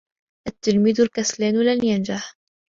التِّلْميذُ الْكَسْلاَنُ لَنْ يَنْجَحَ.